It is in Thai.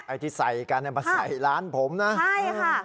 ไอ้ที่ใส่กันมาใส่ร้านผมนะ